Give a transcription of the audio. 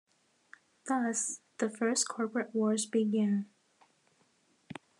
Thus the first Corporate wars began.